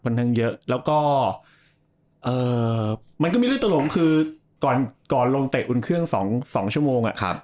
ทั้งเยอะแล้วก็มันก็มีเรื่องตลงคือก่อนลงเตะอุ่นเครื่อง๒ชั่วโมง